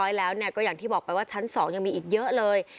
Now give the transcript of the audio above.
แล้วก็อย่างที่บอกไปว่าชั้น๒ยังมีอีกเยอะเลย